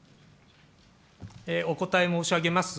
お答え申し上げます。